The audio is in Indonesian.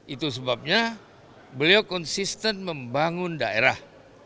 itu sebabnya beliau konsisten membangun daerah